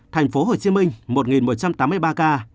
thành phố hồ chí minh một một trăm tám mươi ba ca